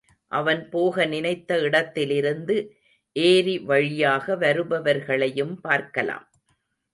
அவன் போக நினைத்த இடத்திலிருந்து ஏரிவழியாக வருபவர்களையும் பார்க்கலாம்.